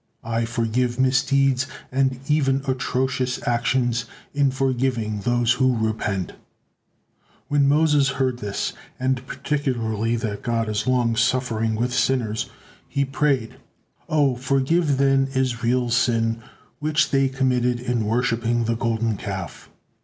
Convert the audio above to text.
I forgive misdeeds and even atrocious actions, in forgiving those who repent." When Moses heard this, and particularly that God is long suffering with sinners, he prayed: "O forgive, then, Israel's sin which they committed in worshipping the Golden Calf."